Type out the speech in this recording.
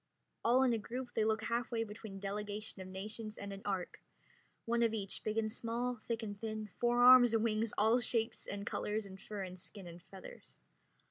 All in a group they look half way between a delegation of nations and an ark, one of each, big and small, thick and thin, four arms or wings, all shapes and colors in fur and skin and feathers.